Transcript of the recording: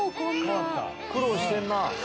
苦労してんなぁ。